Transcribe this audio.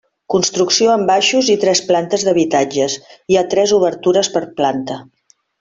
Construcció amb baixos i tres plantes d'habitatges, hi ha tres obertures per planta.